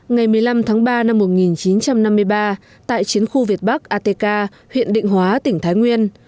ngày một mươi năm tháng ba năm một nghìn chín trăm năm mươi ba tại chiến khu việt bắc atk huyện định hóa tỉnh thái nguyên